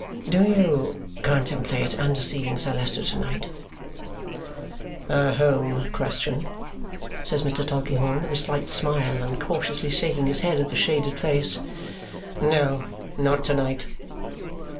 "Do you contemplate undeceiving Sir Leicester to night?" "A home question!" says Mr. Tulkinghorn with a slight smile and cautiously shaking his head at the shaded face. "No, not to night."